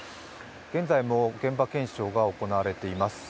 現在も現場検証が行われています。